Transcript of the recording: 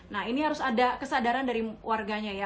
nah ini harus ada kesadaran dari warganya ya